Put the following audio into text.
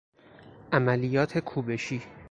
عملیات کوبشی